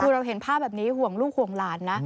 คือเราเห็นภาพแบบนี้ห่วงลูกห่วงหลานนะ